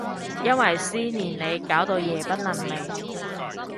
因為思念你搞到夜不能寐